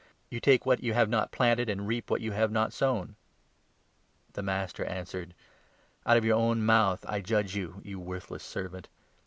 You take what you have not planted, and reap what you have not sown.' The 22 master answered ' Out of your own mouth I judge you, you worthless servant.